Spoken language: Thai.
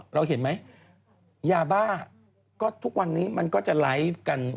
เราเห็นไหมยาบ้าก็ทุกวันนี้มันก็จะไลฟ์กัน